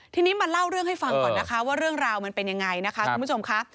ทีนี้มาเล่าเรื่องให้ฟังก่อนนะคะว่าเรื่องราวมันเป็นยังไงนะคะคุณผู้ชมค่ะ